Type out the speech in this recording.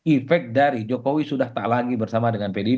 efek dari jokowi sudah tak lagi bersama dengan pdip